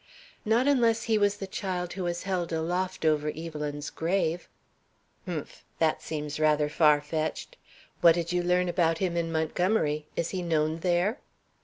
"Not unless he was the child who was held aloft over Evelyn's grave." "Humph! That seems rather far fetched. What did you learn about him in Montgomery? Is he known there?"